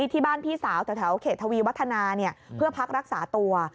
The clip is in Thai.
ที่บ้านพี่สาวแถวเขตทวีวัฒนาเพื่อพักรักษาตัว